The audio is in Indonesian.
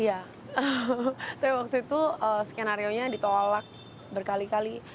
iya tapi waktu itu skenario nya ditolak berkali kali